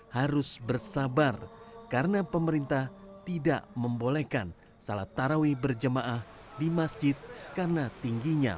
harus bersabar karena pemerintah tidak membolehkan salat tarawih berjemaah di masjid karena tingginya